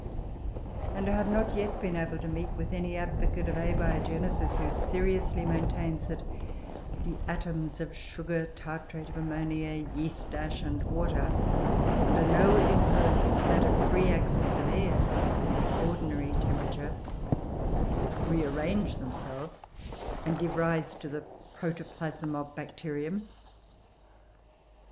And I have not yet been able to meet with any advocate of Abiogenesis who seriously maintains that the atoms of sugar, tartrate of ammonia, yeast ash, and water, under no influence but that of free access of air and the ordinary temperature, re arrange themselves and give rise to the protoplasm of Bacterium.